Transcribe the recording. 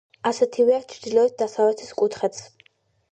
ასეთივეა ჩრდილოეთ-დასავლეთის კუთხეც.